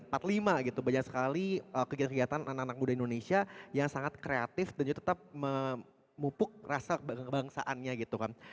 ada banyak sekali kegiatan kegiatan anak anak muda indonesia yang sangat kreatif dan juga tetap memupuk rasa kebangsaannya gitu kan